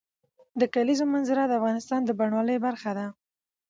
د کلیزو منظره د افغانستان د بڼوالۍ برخه ده.